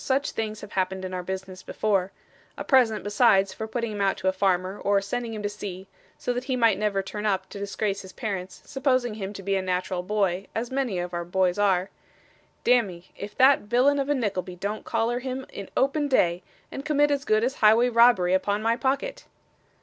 such things have happened in our business before a present besides for putting him out to a farmer, or sending him to sea, so that he might never turn up to disgrace his parents, supposing him to be a natural boy, as many of our boys are damme, if that villain of a Nickleby don't collar him in open day, and commit as good as highway robbery upon my pocket.